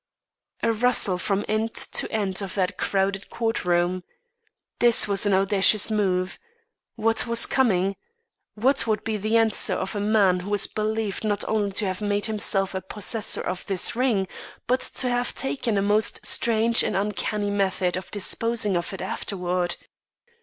A rustle from end to end of that crowded court room. This was an audacious move. What was coming? What would be the answer of the man who was believed not only to have made himself the possessor of this ring, but to have taken a most strange and uncanny method of disposing of it afterward?